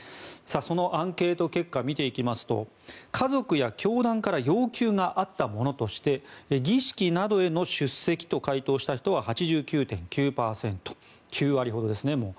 そのアンケート結果を見ていきますと家族や教団から要求があったものとして儀式などへの出席と回答した人は８９．９％９割ほどですね。